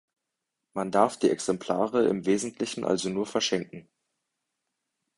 Man darf die Exemplare im Wesentlichen also nur verschenken.